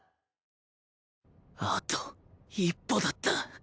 あと１歩だった